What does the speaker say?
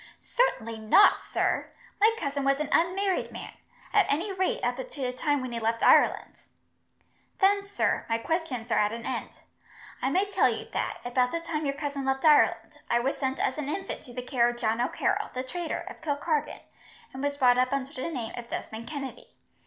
"Certainly not, sir. My cousin was an unmarried man, at any rate up to the time when he left Ireland." "Then, sir, my questions are at an end. I may tell you that, about the time your cousin left Ireland, I was sent as an infant to the care of John O'Carroll, the traitor, of Kilkargan, and was brought up under the name of Desmond Kennedy.